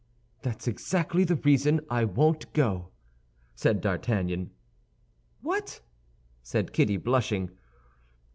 "That's exactly the reason I won't go," said D'Artagnan. "What!" said Kitty, blushing.